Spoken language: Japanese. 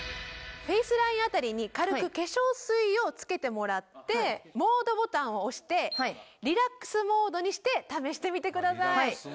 フェースライン辺りに軽く化粧水をつけてもらってモードボタンを押してリラックスモードにして試してみてください。